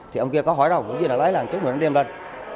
thì ông kia có hỏi đâu cái gì nó lấy là chút nữa nó đem lên